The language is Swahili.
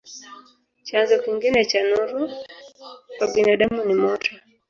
Chanzo kingine cha nuru kwa binadamu ni moto.